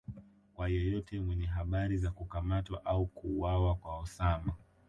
kwa yeyote mwenye habari za kukamatwa au kuuwawa kwa Osama